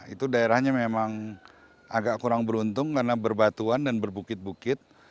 itu daerahnya memang agak kurang beruntung karena berbatuan dan berbukit bukit